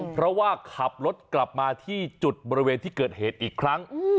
เพราะว่าขับรถกลับมาที่จุดบริเวณที่เกิดเหตุอีกครั้ง